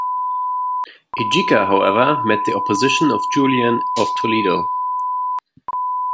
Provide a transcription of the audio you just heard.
Egica, however, met the opposition of Julian of Toledo.